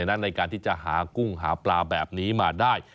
ในการที่จะหากุ้งหาปลาแบบนี้มาได้